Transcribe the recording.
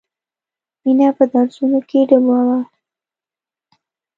مینه په درسونو کې ډوبه وه